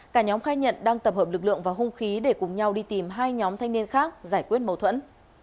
cả nhóm khai nhận đang tập hợp lực lượng và hung khí để cùng nhau đi tìm hai nhóm thanh niên khác giải quyết mâu thuẫn